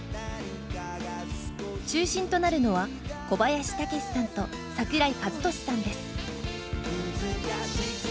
中心となるのは小林武史さんと櫻井和寿さんです。